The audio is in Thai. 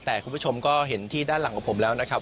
แต่คุณผู้ชมก็เห็นที่ด้านหลังของผมแล้วนะครับ